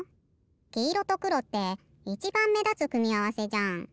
きいろとくろっていちばんめだつくみあわせじゃん。